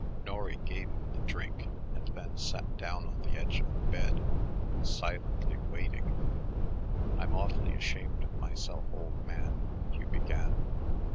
Norry gave him the drink and then sat down on the edge of the bed, silently waiting. "I'm awfully ashamed of myself, old man," Hugh began.